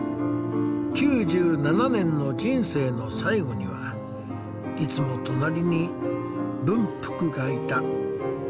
９７年の人生の最期にはいつも隣に文福がいた。